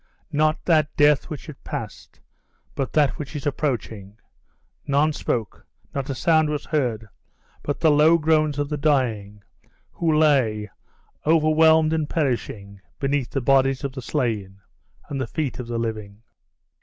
Not that death which had passed, but that which is approaching. None spoke, not a sound was heard, but the low groans of the dying, who lay, overwhelmed and perishing, beneath the bodies of the slain, and the feet of the living.